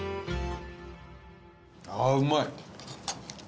あーうまい。